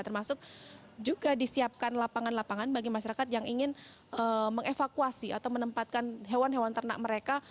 termasuk juga disiapkan lapangan lapangan bagi masyarakat yang ingin mengevakuasi atau menempatkan hewan hewan ternak mereka